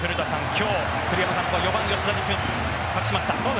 今日、栗山監督は４番を吉田に託しました。